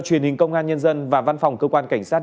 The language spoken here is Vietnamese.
truyền hình công an nhân dân và văn phòng cơ quan cảnh sát